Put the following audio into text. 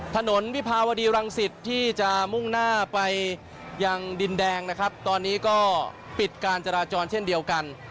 ถนนวิภาวดีรังสิตที่จะมุ่งหน้าไปยังดินแดงนะครับตอนนี้ก็ปิดการจราจรเช่นเดียวกัน